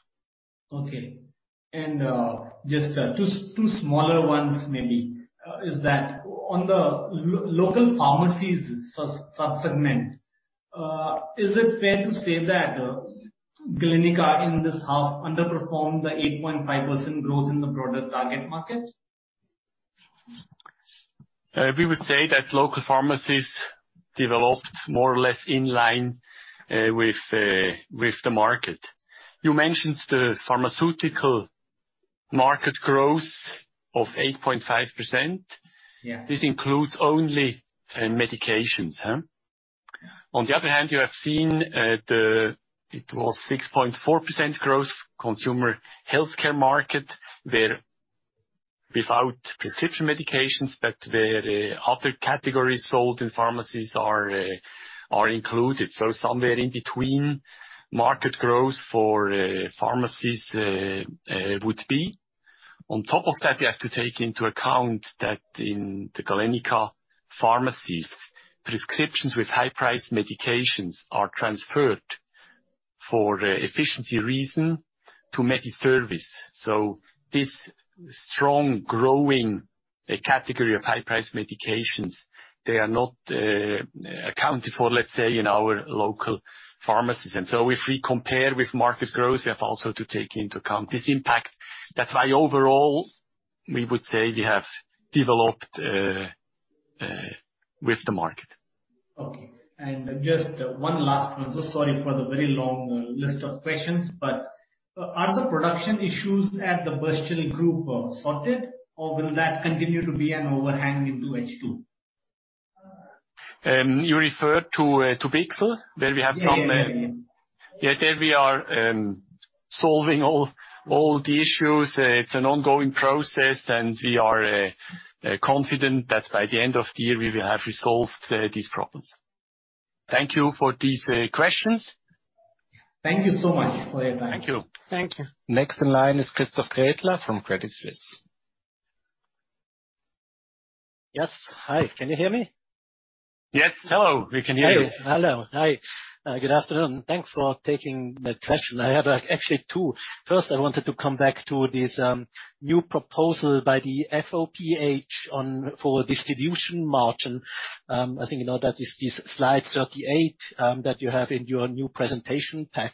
Just two smaller ones maybe. Is that on the local pharmacies subsegment, is it fair to say that Galenica in this half underperformed the 8.5% growth in the broader target market? We would say that local pharmacies developed more or less in line with the market. You mentioned the pharmaceutical market growth of 8.5%. Yeah. This includes only medications. On the other hand, you have seen. It was 6.4% growth consumer healthcare market, where without prescription medications, but where other categories sold in pharmacies are included. Somewhere in between market growth for pharmacies would be. On top of that, you have to take into account that in the Galenica pharmacies, prescriptions with high-priced medications are transferred for efficiency reason to MediService. This strong growing category of high-priced medications, they are not accounted for, let's say, in our local pharmacies. If we compare with market growth, we have also to take into account this impact. That's why overall, we would say we have developed with the market. Okay. Just one last one. Sorry for the very long list of questions, but are the production issues at the Bichsel Group sorted or will that continue to be an overhang into H2? You referred to Bichsel, where we have some. Yeah. Yeah, there we are, solving all the issues. It's an ongoing process and we are confident that by the end of the year we will have resolved these problems. Thank you for these questions. Thank you so much for your time. Thank you. Thank you. Next in line is Christoph Gretler from Credit Suisse. Yes. Hi. Can you hear me? Yes. Hello. We can hear you. Hello. Hi. Good afternoon. Thanks for taking my question. I have actually two. First, I wanted to come back to this new proposal by the FOPH on for distribution margin. I think you know that it's this slide 38 that you have in your new presentation pack.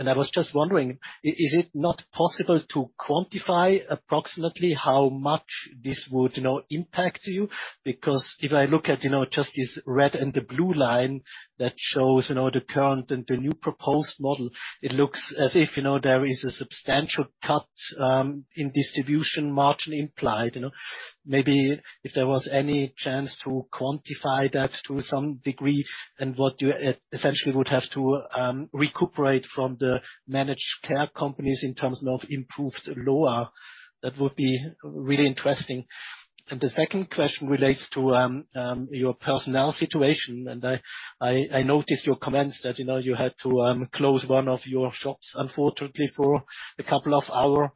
I was just wondering, is it not possible to quantify approximately how much this would you know, impact you? Because if I look at, you know, just this red and the blue line that shows, you know the current and the new proposed model, it looks as if you know, there is a substantial cut in distribution margin implied. You know? Maybe if there was any chance to quantify that to some degree and what you essentially would have to recuperate from the managed care companies in terms of improved LOA, that would be really interesting. The second question relates to your personnel situation. I noticed your comments that, you know, you had to close one of your shops unfortunately for a couple of hours.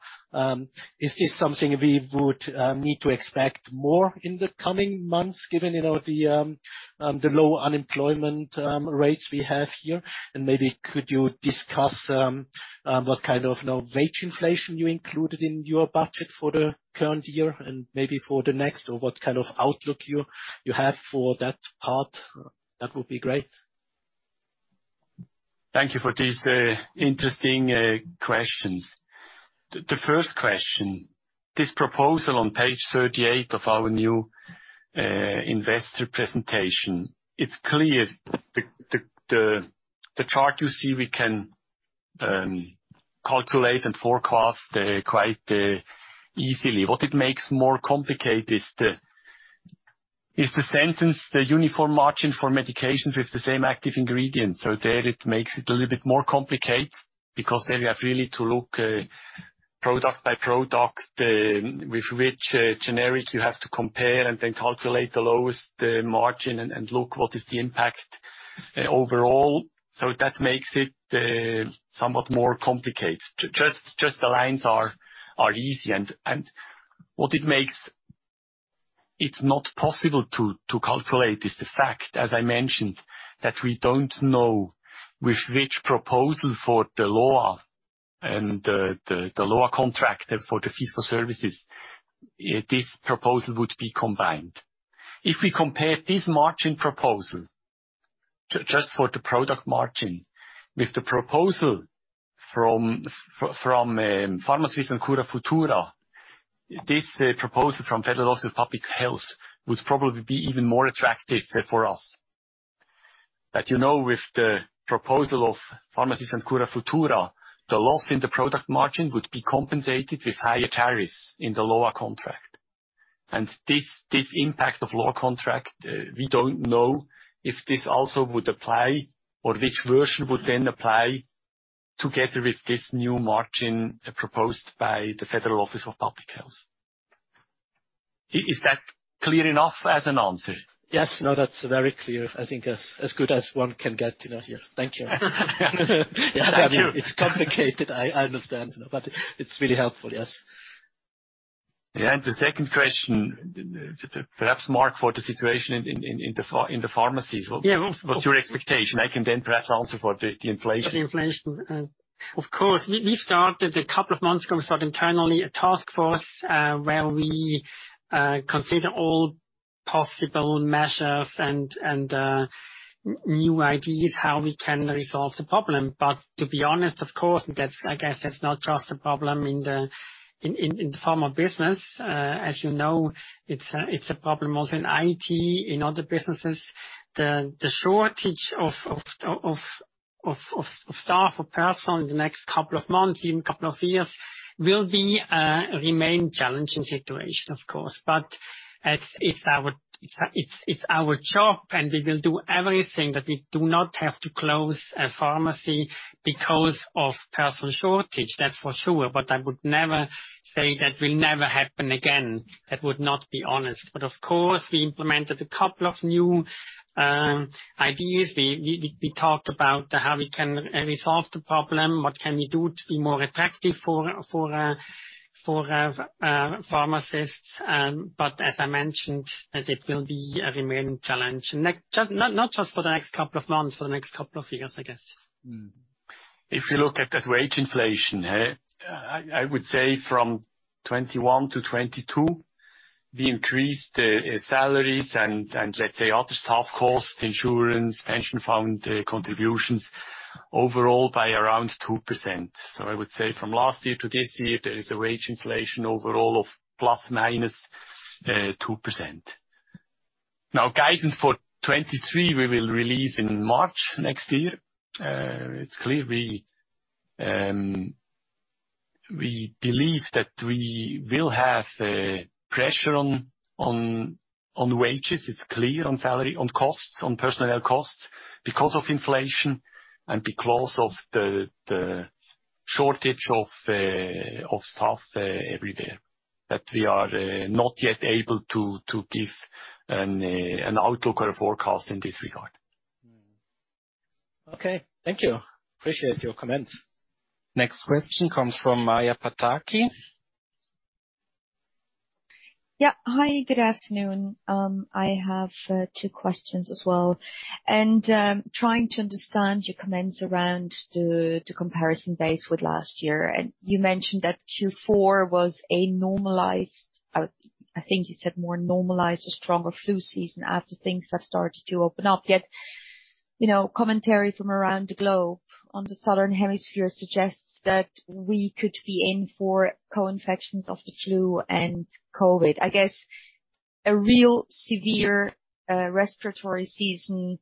Is this something we would need to expect more in the coming months given you know the low unemployment rates we have here? Maybe could you discuss what kind of, you know wage inflation you included in your budget for the current year and maybe for the next? Or what kind of outlook you have for that part? That would be great. Thank you for these interesting questions. The first question, this proposal on page 38 of our new investor presentation, it's clear the chart you see we can calculate and forecast quite easily. What it makes more complicated is the sentence: The uniform margin for medications with the same active ingredient. There it makes it a little bit more complicated because there we have really to look product by product with which generic you have to compare and then calculate the lowest margin and look what is the impact overall. That makes it somewhat more complicated. Just the lines are easy. What it makes it not possible to calculate is the fact, as I mentioned, that we don't know with which proposal for the LOA and the LOA contract and for the fee-for-services this proposal would be combined. If we compare this margin proposal just for the product margin with the proposal from pharmacies and Curafutura, this proposal from Federal Office of Public Health would probably be even more attractive for us. you know with the proposal of pharmacies and Curafutura, the loss in the product margin would be compensated with higher tariffs in the LOA contract. this impact of LOA contract we don't know if this also would apply or which version would then apply together with this new margin proposed by the Federal Office of Public Health. Is that clear enough as an answer? Yes. No, that's very clear. I think as good as one can get, you know, here. Thank you. Thank you. It's complicated, I understand you know but it's really helpful. Yes. Yeah. The second question perhaps more for the situation in the pharmacies. Yeah. What's your expectation? I can then perhaps answer for the inflation. The inflation. Of course. We started a couple of months ago internally a task force where we consider all possible measures and new ideas how we can resolve the problem. To be honest, of course, that's. I guess that's not just a problem in the pharma business. As you know, it's a problem also in IT, in other businesses. The shortage of staff or personnel in the next couple of months even couple of years, will be a remaining challenging situation, of course. It's our job, and we will do everything that we do not have to close a pharmacy because of personnel shortage, that's for sure. I would never say that will never happen again. That would not be honest. Of course we implemented a couple of new ideas. We talked about how we can resolve the problem, what can we do to be more attractive for pharmacists. As I mentioned, that it will be a remaining challenge. Like, not just for the next couple of months, for the next couple of years, I guess. If you look at that wage inflation, I would say from 2021 to 2022, we increased salaries and let's say other staff costs, insurance, pension fund contributions overall by around 2%. I would say from last year to this year, there is a wage inflation overall of plus minus 2%. Now, guidance for 2023, we will release in March next year. It's clear we believe that we will have pressure on wages. It's clear on salary, on costs, on personnel costs because of inflation and because of the shortage of staff everywhere, that we are not yet able to give an outlook or a forecast in this regard. Okay. Thank you. Appreciate your comments. Next question comes from Maja Pataki. Yeah. Hi, good afternoon. I have two questions as well. Trying to understand your comments around the comparison base with last year. You mentioned that Q4 was more normalized, a stronger flu season after things have started to open up. Yet, you know commentary from around the globe on the southern hemisphere suggests that we could be in for co-infections of the flu and COVID. I guess a real severe respiratory season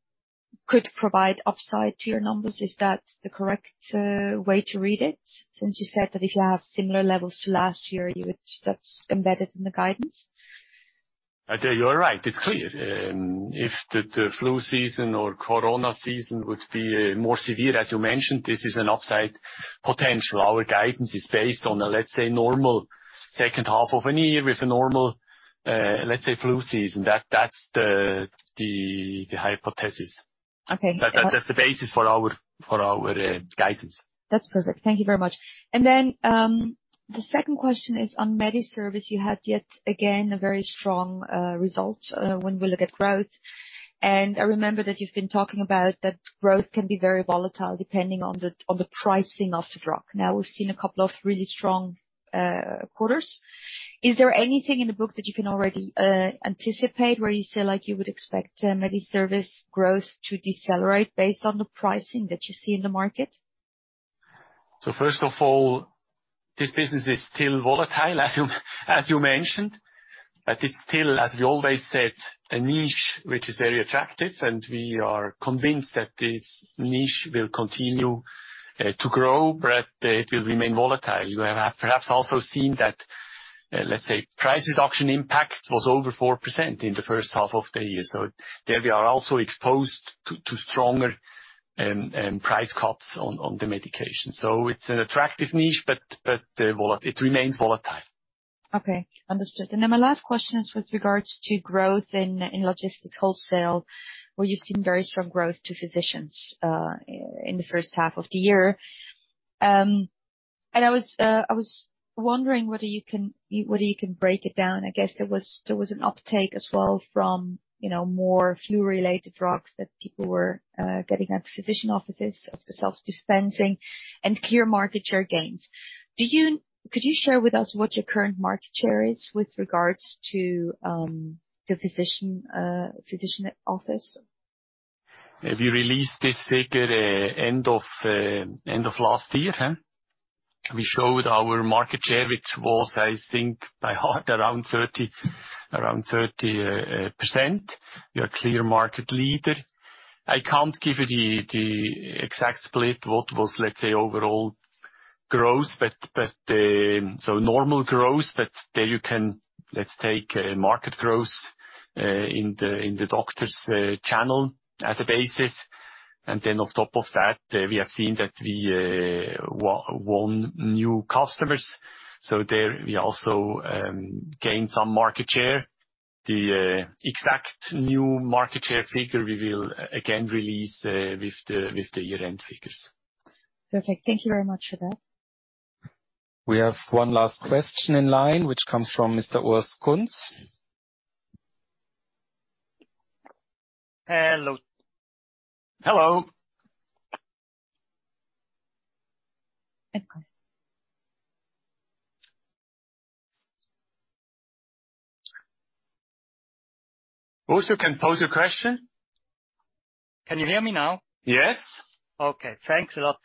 could provide upside to your numbers. Is that the correct way to read it, since you said that if you have similar levels to last year you would. That's embedded in the guidance? I tell you are right. It's clear. If the flu season or COVID season would be more severe, as you mentioned, this is an upside potential. Our guidance is based on a, let's say, normal second half of a year with a normal, let's say, flu season. That's the hypothesis. Okay. That's the basis for our guidance. That's perfect. Thank you very much. The second question is on MediService. You had yet again a very strong result when we look at growth. I remember that you've been talking about that growth can be very volatile depending on the pricing of the drug. Now, we've seen a couple of really strong quarters. Is there anything in the book that you can already anticipate where you say, like you would expect MediService growth to decelerate based on the pricing that you see in the market? First of all, this business is still volatile, as you mentioned, but it's still, as we always said, a niche which is very attractive, and we are convinced that this niche will continue to grow, but it will remain volatile. You have perhaps also seen that, let's say, price reduction impact was over 4% in the first half of the year. There we are also exposed to stronger price cuts on the medication. It's an attractive niche, but it remains volatile. Okay. Understood. My last question is with regards to growth in logistics wholesale, where you've seen very strong growth to physicians in the first half of the year. I was wondering whether you can break it down. I guess there was an uptake as well from you know more flu-related drugs that people were getting at physician offices after self-dispensing and clear market share gains. Could you share with us what your current market share is with regards to the physician office? We released this figure end of last year. We showed our market share, which was I think by heart around 30%. We are clear market leader. I can't give you the exact split what was let's say overall. Growth. But normal growth. Let's take market growth in the doctor's channel as a basis. On top of that, we have seen that we won new customers. There we also gained some market share. The exact new market share figure we will again release with the year-end figures. Perfect. Thank you very much for that. We have one last question in line, which comes from Mr. Urs Kunz. Hello? Hello. Urs, you can pose your question. Can you hear me now? Yes. Okay. Thanks a lot.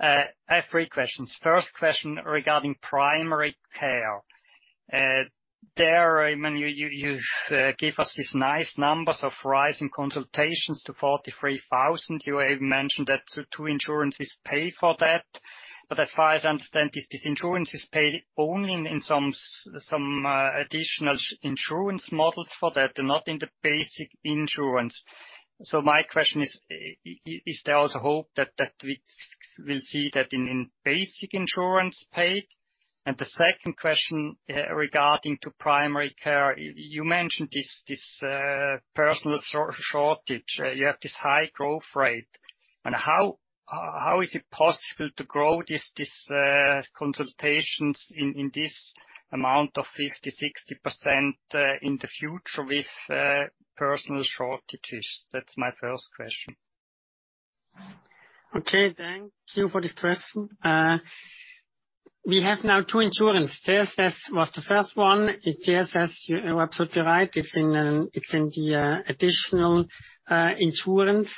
I have three questions. First question regarding primary care. There, I mean you give us these nice numbers of rising consultations to 43,000. You have mentioned that two insurances pay for that. But as far as I understand it, these insurances pay only in some additional insurance models for that and not in the basic insurance. So my question is there also hope that we'll see that in basic insurance paid? And the second question regarding primary care, you mentioned this personnel shortage. You have this high growth rate. And how is it possible to grow this consultations in this amount of 50%-60% in the future with personnel shortages? That's my first question. Okay, thank you for this question. We have now two insurers. CSS was the first one. CSS, you are absolutely right, it's in the additional insurance.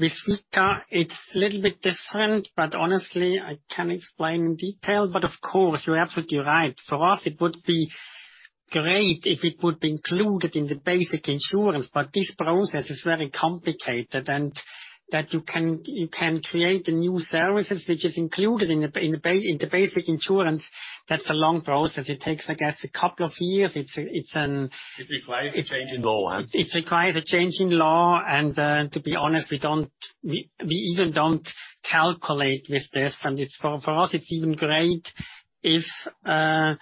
With SWICA, it's a little bit different, but honestly, I can't explain in detail. Of course, you're absolutely right. For us, it would be great if it would be included in the basic insurance, but this process is very complicated. That you can create the new services which is included in the basic insurance, that's a long process. It takes, I guess, a couple of years. It requires a change in law, I think. It requires a change in law. To be honest we even don't calculate with this. For us it's even great if a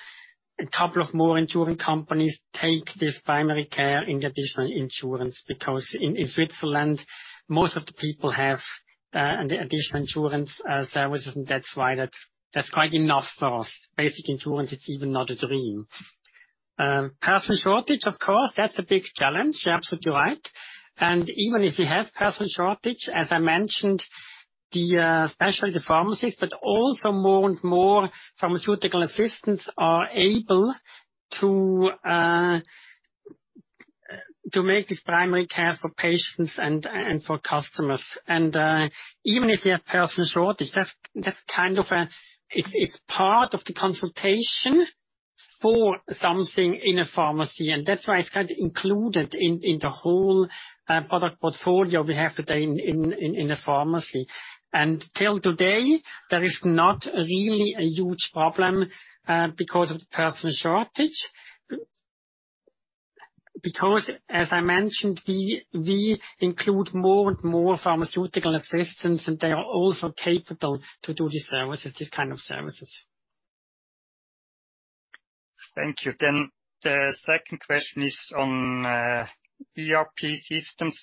couple of more insurance companies take this primary care in the additional insurance, because in Switzerland, most of the people have the additional insurance services, and that's why that's quite enough for us. Basic insurance it's even not a dream. Personnel shortage, of course, that's a big challenge. You're absolutely right. Even if you have personnel shortage as I mentioned especially the pharmacist, but also more and more pharmaceutical assistants are able to make this primary care for patients and for customers. Even if we have personnel shortage, that's kind of part of the consultation for something in a pharmacy, and that's why it's kind of included in the whole product portfolio we have today in the pharmacy. Till today, there is not really a huge problem because of the personnel shortage. Because as I mentioned, we include more and more pharmaceutical assistants, and they are also capable to do these services, this kind of services. Thank you. The second question is on ERP systems.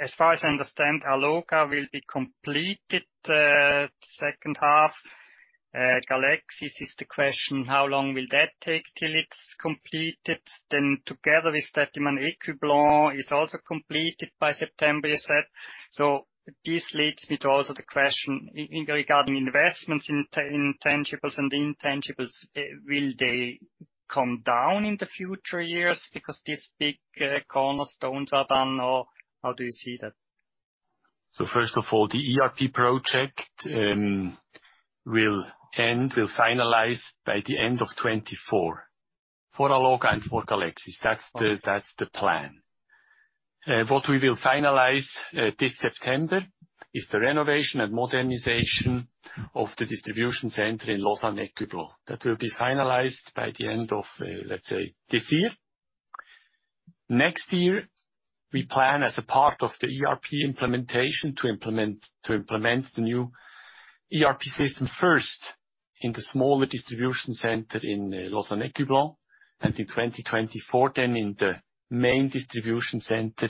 As far as I understand, Alloga will be completed second half. Galexis, this is the question, how long will that take till it's completed? Then together with that, Ecublens is also completed by September, you said. This leads me to also the question regarding investments in tangibles and intangibles. Will they come down in the future years because these big cornerstones are done? Or how do you see that? First of all, the ERP project will finalize by the end of 2024 for Alloga and for Galexis. That's the plan. What we will finalize this September is the renovation and modernization of the distribution center in Lausanne, Ecublens. That will be finalized by the end of, let's say, this year. Next year, we plan as a part of the ERP implementation to implement the new ERP system first in the smaller distribution center in Lausanne, Ecublens, and in 2024 then in the main distribution center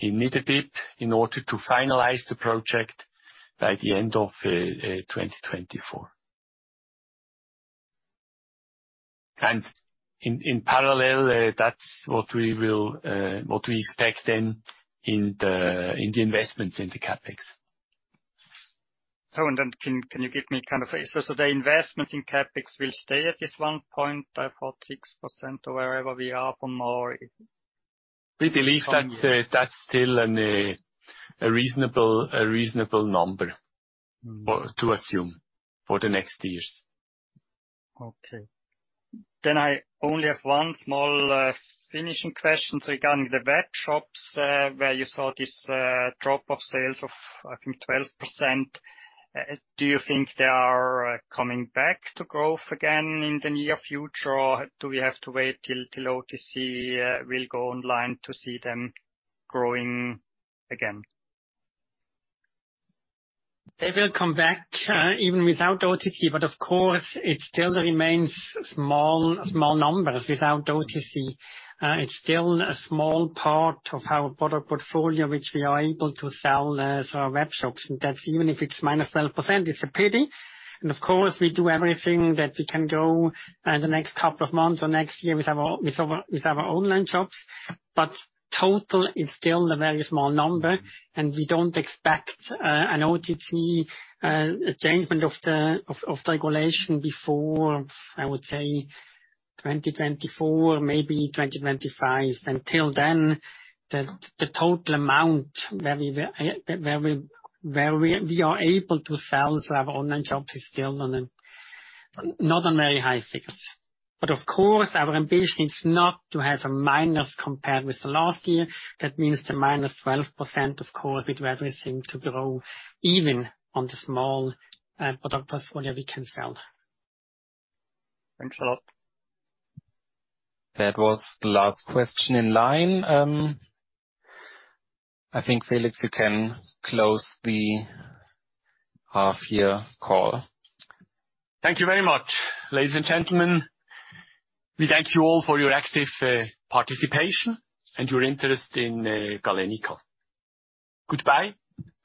in Niederbipp in order to finalize the project by the end of 2024. In parallel, that's what we expect then in the investments in the CapEx. The investments in CapEx will stay at this 1.46% or wherever we are from now or if- We believe that's still a reasonable number or to assume for the next years. Okay. I only have one small, finishing question regarding the webshops, where you saw this drop in sales of, I think, 12%. Do you think they are coming back to growth again in the near future? Or do we have to wait till OTC will go online to see them growing again? They will come back even without OTC, but of course, it still remains small numbers without OTC. It's still a small part of our product portfolio which we are able to sell as our webshops. That's even if it's -12%, it's a pity. Of course, we do everything that we can go the next couple of months or next year with our online shops. Total is still a very small number, and we don't expect an OTC change of the regulation before, I would say, 2024, maybe 2025. Until then, the total amount where we are able to sell through our online shops is still not on very high figures. Of course, our ambition is not to have a minus compared with the last year. That means the -12%, of course, we do everything to grow even on the small product portfolio we can sell. Thanks a lot. That was the last question in line. I think Felix, you can close the half-year call. Thank you very much. Ladies and gentlemen, we thank you all for your active participation and your interest in Galenica. Goodbye,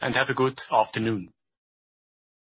and have a good afternoon.